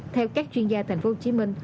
theo các chuyên gia thành phố hồ chí minh